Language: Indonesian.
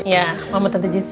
ya sama tante jessy